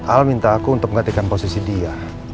al minta aku untuk menggantikan posisi dia